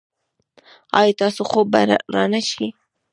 ایا ستاسو خوب به را نه شي؟